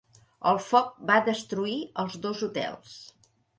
El foc va destruir els dos hotels.